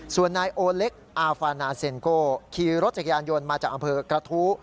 ส่วนนายโอเล็กอาฟานาเซ็นโกขี่รถจักรยานยนต์มาจากอำเภอกระทู้